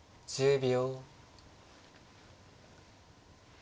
１０秒。